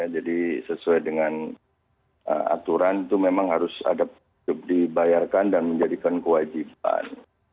jadi sesuai dengan aturan itu memang harus dibayarkan dan menjadikan kewajiban